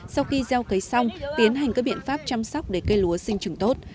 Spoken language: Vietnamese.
sau khi gieo cấy xong tiến hành các biện pháp chăm sóc để cây lúa sinh trường tốt